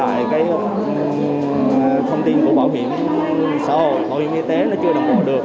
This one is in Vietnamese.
bảo hiểm y tế chưa đồng bộ được